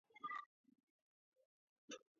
არასრულ წლად ითვლება ორგანიზაციის დაფუძნების წელი.